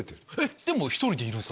でも１人でいるんすか？